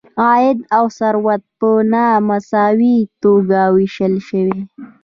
عاید او ثروت په نا مساوي توګه ویشل شوی.